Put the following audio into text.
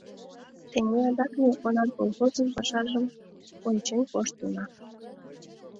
Тений адак ме «Онар» колхозын пашажым ончен коштына.